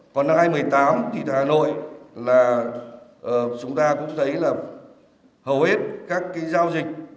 còn năm hai nghìn một mươi tám thì hà nội là chúng ta cũng thấy là hầu hết các cái giao dịch